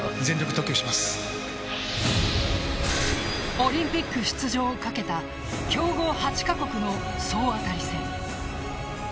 オリンピック出場を懸けた強豪８カ国の総当たり戦。